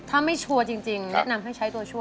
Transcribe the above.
ถ้าไม่ชัวร์จริงแนะนำให้ใช้ตัวช่วย